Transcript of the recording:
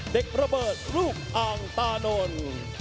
ระเบิดลูกอ่างตานนท์